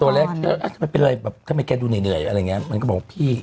ก่อนมันเป็นไรแบบทำไมแกดูเหนื่อยอะไรงี้มันก็บอกพี่